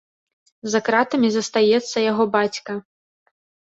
За кратамі застаецца яго бацька.